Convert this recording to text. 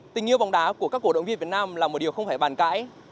tình yêu bóng đá của các cổ động viên việt nam là một điều không phải bàn cãi